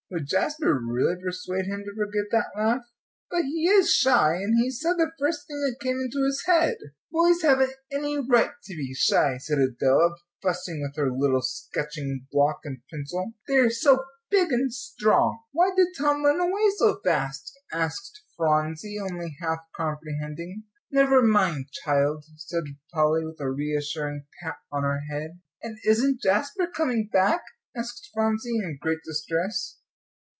Would Jasper really persuade him to forget that laugh? "But he is shy, and he said the first thing that came into his head." "Boys haven't any right to be shy," said Adela, fussing with her little sketching block and pencil, "they are so big and strong." "Why did Tom run away so fast?" asked Phronsie, only half comprehending. "Never mind, child," said Polly, with a reassuring pat on her head. "And isn't Jasper coming back?" asked Phronsie, in great distress.